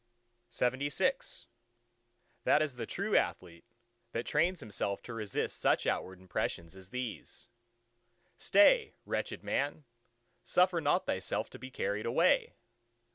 LXXVII That is the true athlete, that trains himself to resist such outward impressions as these. "Stay, wretched man! suffer not thyself to be carried away!"